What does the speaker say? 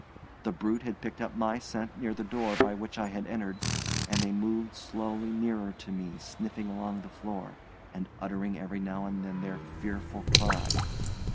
The brute had picked up my scent near the door by which I had entered, and they moved slowly nearer to me sniffing along the floor, and uttering every now and then their fearful cry.